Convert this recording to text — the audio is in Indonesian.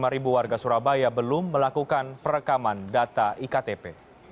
dua ratus sembilan puluh lima ribu warga surabaya belum melakukan perekaman data iktp